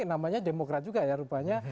namanya demokrat juga ya rupanya